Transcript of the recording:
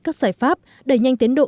các giải pháp để nhanh tiến độ